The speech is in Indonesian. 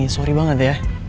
sorry banget ya